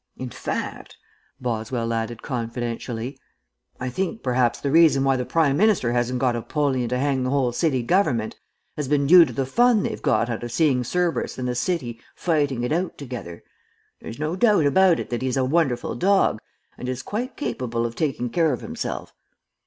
In fact," Boswell added, confidentially, "I think perhaps the reason why the Prime minister hasn't got Apollyon to hang the whole city government has been due to the fun they've got out of seeing Cerberus and the city fighting it out together. There's no doubt about it that he is a wonderful dog, and is quite capable of taking care of himself."